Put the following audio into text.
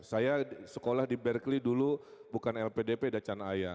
saya sekolah di berkeley dulu bukan lpdp dacan ayah